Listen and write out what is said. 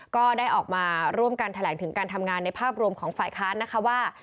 ก็ได้ออกมาร่วมกันแถลงถึงการทำงานในภาพรวมของฝ่ายค้านนะคะว่า